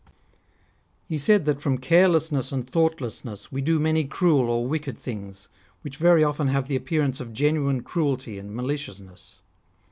He said that from carelessness and thoughtlessness we do many cruel or wicked things, which very often i have the appearance of genuine cruelty and malicious ness.